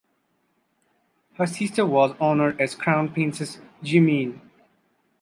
Her sister was honored as Crown Princess Jiemin.